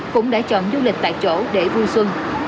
cũng đã chọn du lịch tại chỗ để vui xuân